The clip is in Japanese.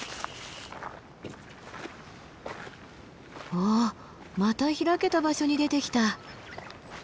ああまた開けた場所に出てきた。